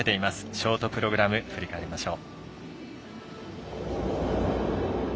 ショートプログラム振り返りましょう。